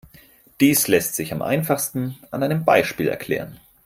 Dies lässt sich am einfachsten an einem Beispiel erklären.